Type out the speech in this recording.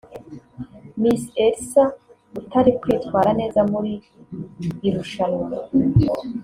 Miss Elsa utari kwitwara neza muri irushanwa